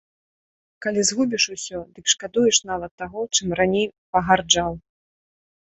Калі згубіш усё, дык шкадуеш нават таго, чым раней пагарджаў.